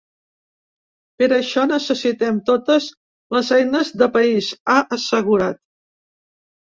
Per això necessitem totes les eines de país, ha assegurat.